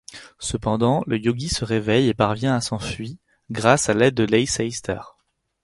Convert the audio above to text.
Cependant, le yogi se réveille et parvient à s'enfuit grâce à l'aide de Leiceister.